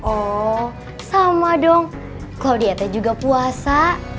oh sama dong claudiate juga puasa